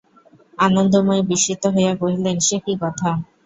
আনন্দময়ী বিস্মিত হইয়া কহিলেন, সে কী কথা!